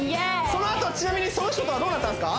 そのあとちなみにその人とはどうなったんですか？